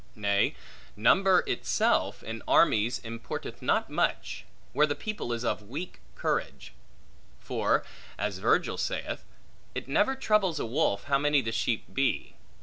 Nay, number (itself) in armies importeth not much, where the people is of weak courage; for (as Virgil saith) It never troubles a wolf, how many the sheep be.